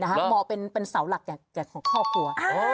หมอเป็นเสาหลักของครอบครัว